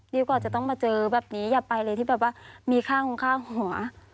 กว่าจะต้องมาเจอแบบนี้อย่าไปเลยที่แบบว่ามีค่าของค่าหัว